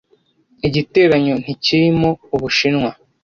Igiteranyo ntikirimo u Bushinwa